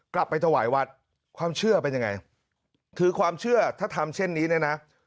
กลับไปถวายวัดความเชื่อเป็นยังไงคือความเชื่อถ้าทำเช่นนี้เนี่ยนะ